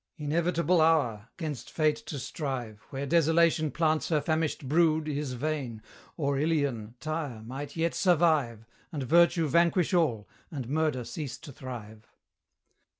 Inevitable hour! 'Gainst fate to strive Where Desolation plants her famished brood Is vain, or Ilion, Tyre, might yet survive, And Virtue vanquish all, and Murder cease to thrive.